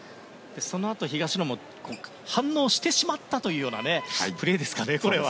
そのあと東野も反応してしまったというようなプレーですかね、これは。